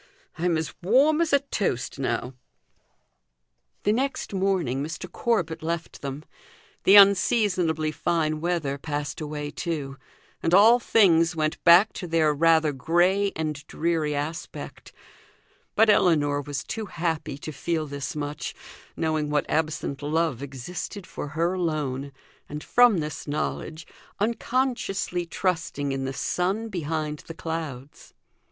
I'm as warm as a toast now." The next morning Mr. Corbet left them. The unseasonably fine weather passed away too, and all things went back to their rather grey and dreary aspect; but Ellinor was too happy to feel this much, knowing what absent love existed for her alone, and from this knowledge unconsciously trusting in the sun behind the clouds.